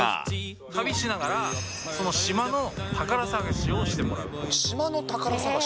旅しながらその島の宝探しを島の宝探し？